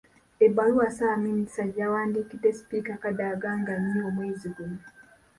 Ebbaluwa Ssaabaminisita gye yawandiikidde Sipiika Kadaga nga nnya, omwezi guno